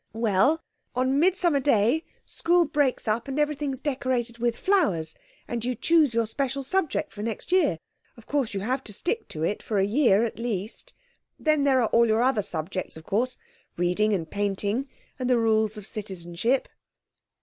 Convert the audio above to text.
"Well, on Midsummer Day school breaks up and everything's decorated with flowers, and you choose your special subject for next year. Of course you have to stick to it for a year at least. Then there are all your other subjects, of course, reading, and painting, and the rules of Citizenship."